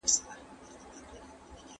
که خلګ بایسکلونه وکاروي، نو لوګی نه زیاتیږي.